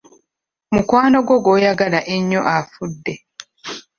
Mukwano gwo gw'oyagala ennyo afudde !